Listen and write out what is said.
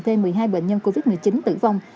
thêm một mươi hai bệnh nhân covid một mươi chín tử vong